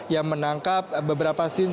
yang menangkap beberapa scene